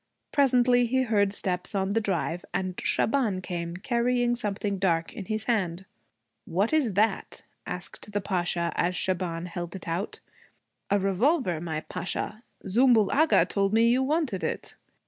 Presently he heard steps on the drive and Shaban came, carrying something dark in his hand. 'What is that?' asked the Pasha, as Shaban held it out. 'A revolver, my Pasha. Zümbül Agha told me you wanted it.'